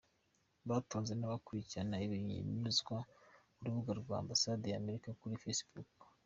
batanzwe n’abakurikirana ibinyuzwa ku rubuga rwa Ambasade ya Amerika kuri Facebook.